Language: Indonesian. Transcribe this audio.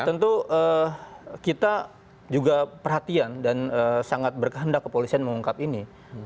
tentu kita juga perhatian dan sangat berkehendak kepolisian mengungkap ini